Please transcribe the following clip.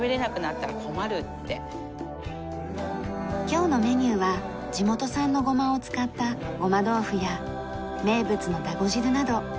今日のメニューは地元産の胡麻を使った胡麻豆腐や名物のだご汁など。